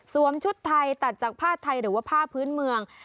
ชุดไทยตัดจากผ้าไทยหรือว่าผ้าพื้นเมือง